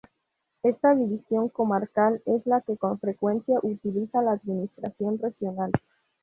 Esta división comarcal es la que con frecuencia utiliza la administración regional.